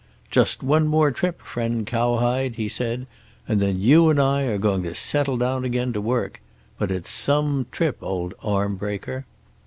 "Just one more trip, friend cowhide," he said, "and then you and I are going to settle down again to work. But it's some trip, old arm breaker."